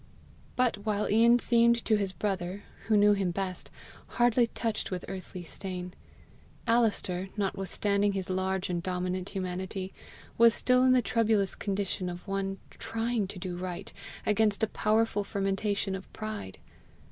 But while Ian seemed to his brother, who knew him best, hardly touched with earthly stain, Alister, notwithstanding his large and dominant humanity, was still in the troublous condition of one trying to do right against a powerful fermentation of pride.